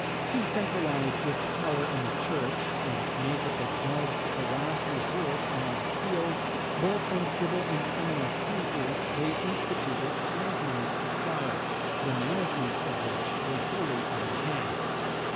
To centralise this power in the Church, and make it the judge of the last resort in all appeals, both in civil and criminal cases, they instituted five modes of trial, the management of which lay wholly in their hands.